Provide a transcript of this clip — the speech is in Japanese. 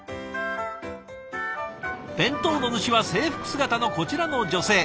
弁当の主は制服姿のこちらの女性。